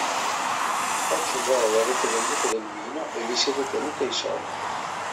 Oggi voi avete venduto del vino e vi siete tenute i soldi.